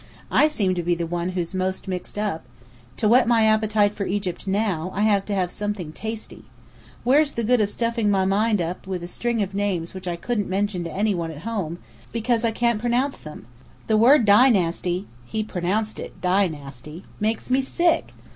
I seem to be the one who's most mixed up! To whet my appetite for Egypt now, I have to have something tasty. Where's the good of stuffing my mind with a string of names which I couldn't mention to any one at home, because I can't pronounce them? The word Dynasty (he pronounced it Die nasty) makes me sick!